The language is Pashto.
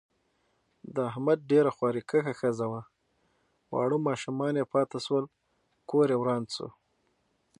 د احمد ډېره خواریکښه ښځه وه، واړه ماشومان یې پاتې شول. کوریې وران شو.